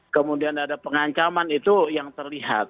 kemudian ada pengancaman itu yang terlihat